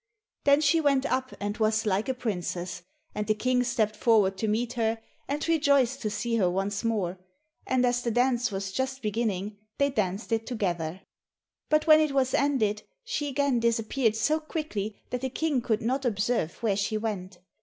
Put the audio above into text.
Then she went up and was like a princess, and the King stepped forward to meet her, and rejoiced to see her once more, and as the dance was just beginning they danced it together. But when it was ended, she again disappeared so quickly that the King could not observe where she went.